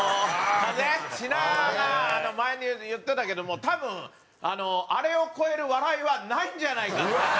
品川が前に言ってたけども多分あれを超える笑いはないんじゃないかっていう。